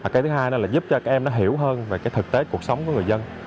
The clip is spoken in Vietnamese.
cái thứ hai là giúp cho các em nó hiểu hơn về cái thực tế cuộc sống của người dân